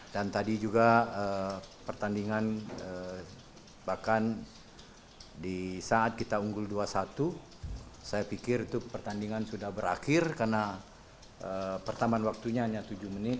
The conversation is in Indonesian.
dan tadi juga pertandingan bahkan di saat kita unggul dua satu saya pikir itu pertandingan sudah berakhir karena pertambahan waktunya hanya tujuh menit